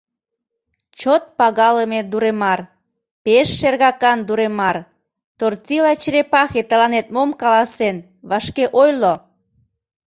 — Чот пагалыме Дуремар, пеш шергакан Дуремар, Тортила черепахе тыланет мом каласен, вашке ойло!